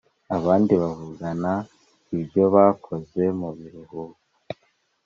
abandi bavugana ibyo bakoze mu biruhuko.